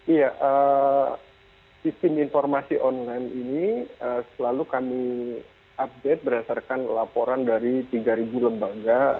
iya sistem informasi online ini selalu kami update berdasarkan laporan dari tiga lembaga